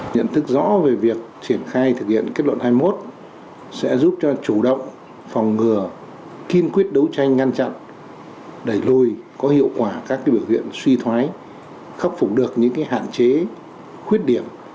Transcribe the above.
nhận thức rõ về việc triển khai thực hiện kết luận hai mươi một sẽ giúp cho chủ động phòng ngừa kiên quyết đấu tranh ngăn chặn đẩy lùi có hiệu quả các biểu hiện suy thoái khắc phục được những hạn chế khuyết điểm